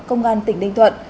công an tỉnh ninh thuận